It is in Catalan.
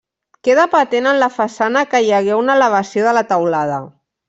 Queda patent en la façana que hi hagué una elevació de la teulada.